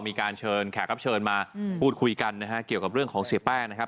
มีการเชิญแขกรับเชิญมาพูดคุยกันนะฮะเกี่ยวกับเรื่องของเสียแป้งนะครับ